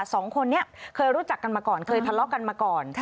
สองคนนี้เคยรู้จักกันมาก่อนเคยทะเลาะกันมาก่อน